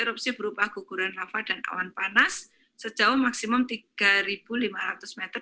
erupsi berupa guguran lava dan awan panas sejauh maksimum tiga lima ratus meter